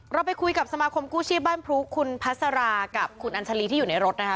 เราไปคุยกับสมาคมกู้ชีพบ้านพรุคุณพัสรากับคุณอัญชาลีที่อยู่ในรถนะคะ